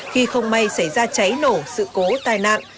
khi không may xảy ra cháy nổ sự cố tai nạn